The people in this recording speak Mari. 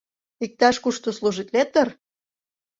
— Иктаж-кушто служитлет дыр?